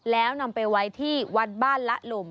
แล้วนำไปไว้ที่วัดบ้านละหลุม